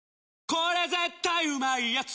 これ絶対うまいやつ」